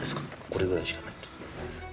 これぐらいしかないと。